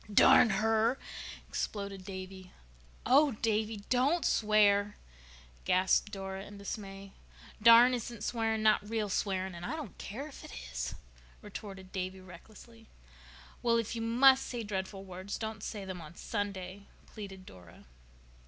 "Darn her," exploded Davy. "Oh, Davy, don't swear," gasped Dora in dismay. "'Darn' isn't swearing—not real swearing. And I don't care if it is," retorted Davy recklessly. "Well, if you must say dreadful words don't say them on Sunday," pleaded Dora.